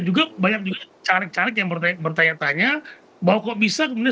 juga banyak juga caleg caleg yang bertanya tanya bahwa kok bisa kemudian